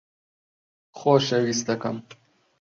خۆشەویستەکەم